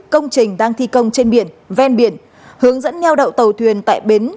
công trình đang thi công trên biển ven biển hướng dẫn neo đậu tàu thuyền tại bến